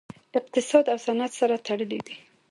اقتصاد او صنعت سره تړلي دي